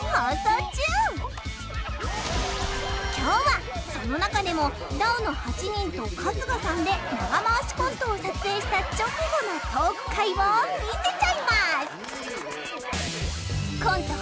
今日はその中でもダウの８人と春日さんで長回しコントを撮影した直後のトーク回を見せちゃいます